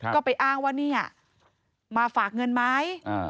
ก็ไปอ้างว่าเนี่ยมาฝากเงินไหม